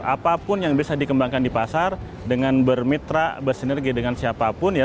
apapun yang bisa dikembangkan di pasar dengan bermitra bersinergi dengan siapapun ya